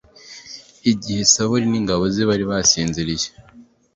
igihe sawuli n ingabo ze bari basinziriye